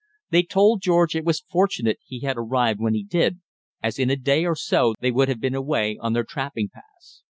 They told George it was fortunate he had arrived when he did, as in a day or so they would have been away on their trapping paths.